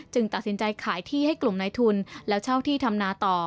ตัดสินใจขายที่ให้กลุ่มในทุนแล้วเช่าที่ทำนาต่อ